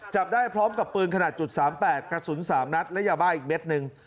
จับได้พร้อมกับปืนขนาด๓๘กระสุน๓นัดและยาบ้าอีกเม็ดหนึ่ง